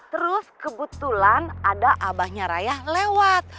terus kebetulan ada abahnya raya lewat